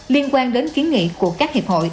liên quan đến kiến nghị của các hiệp hội